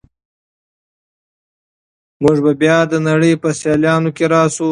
موږ به بیا د نړۍ په سیالانو کې راشو.